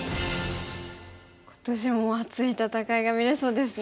今年も熱い戦いが見れそうですね。